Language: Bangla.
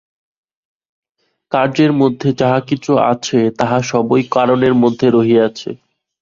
কার্যের মধ্যে যাহা কিছু আছে, তাহা সবই কারণের মধ্যে রহিয়াছে।